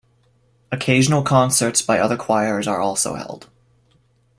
Occasional concerts by other choirs are also held.